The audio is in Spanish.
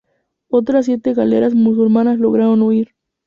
Otras siete galeras musulmanas lograron huir.